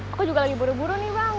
aku juga lagi buru buru nih bang